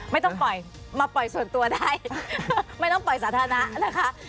ไม่ต้องปล่อยมาปล่อยส่วนตัวได้ไม่ต้องปล่อยสาธารณะนะคะ